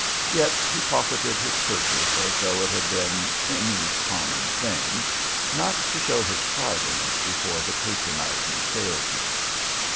Yet he pocketed his purchase as though it had been any common thing, not to show his pride in it before the patronizing salesman.